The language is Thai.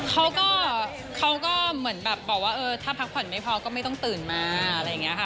เขาก็เขาก็เหมือนแบบบอกว่าเออถ้าพักผ่อนไม่พอก็ไม่ต้องตื่นมาอะไรอย่างนี้ค่ะ